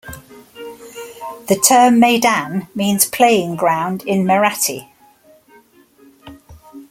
The term maidan means "playing ground" in Marathi.